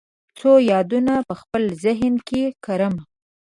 څو یادونه په خپل ذهن کې کرم